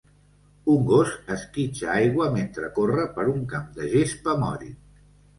Un gos esquitxa aigua mentre corre per un camp de gespa moll.